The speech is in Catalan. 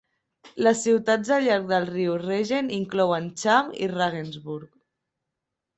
Les ciutats al llarg del riu Regen inclouen Cham i Ragensburg.